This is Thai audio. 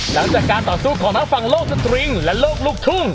หลังจากการต่อสู้ของทั้งฝั่งโลกสตริงและโลกลูกทุ่ง